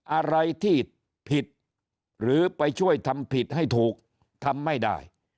อะไรที่ผิดหรือไปช่วยทำผิดให้ถูกทำไม่ได้